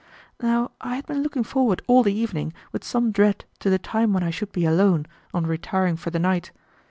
Now I had been looking forward all the evening with some dread to the time when I should be alone, on retiring for the night.